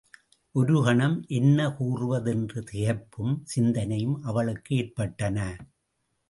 ஒரு கணம் என்ன கூறுவது என்ற திகைப்பும் சிந்தனையும் அவளுக்கு ஏற்பட்டன.